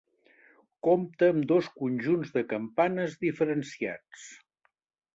Compta amb dos conjunts de campanes diferenciats.